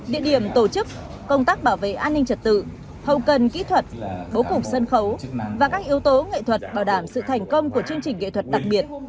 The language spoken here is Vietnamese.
địa điểm tổ chức công tác bảo vệ an ninh trật tự hậu cần kỹ thuật bố cục sân khấu và các yếu tố nghệ thuật bảo đảm sự thành công của chương trình nghệ thuật đặc biệt